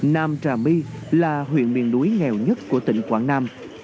nam trà my là huyện miền núi nghèo nhất của tỉnh quảng nam